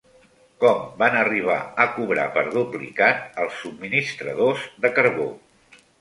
Com van arribar a cobrar per duplicat els subministradors de carbó?